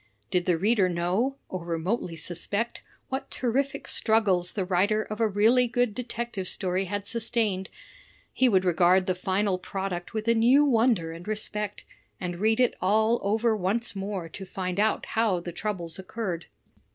Did the reader know, or remotely suspect, what terrific struggles the writer of a really good detective story had sustained, he would regard the final product with a new wonder and respect, and DETECTIVE STORIES 6 1 read it all over once more to find out how the troubles occurred.